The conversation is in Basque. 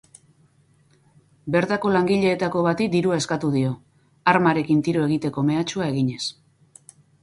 Bertako langileetako bati dirua eskatu dio, armarekin tiro egiteko mehatxua eginez.